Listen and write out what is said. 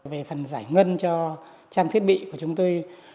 về phần giải ngân cho trang thiết bị của chúng tôi